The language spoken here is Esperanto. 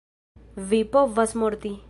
Vi povas morti.